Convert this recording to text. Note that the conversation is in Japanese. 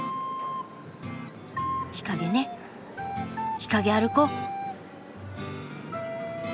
日陰ね日陰歩こう。